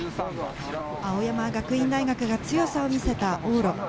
青山学院大学が強さを見せた往路。